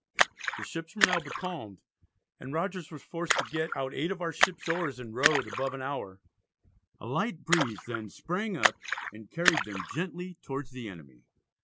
The ships were now becalmed, and Rogers was forced to get "out 8 of our ships oars, and rowed above an hour." A light breeze then sprang up and carried them gently towards the enemy.